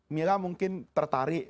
mila mungkin tertarik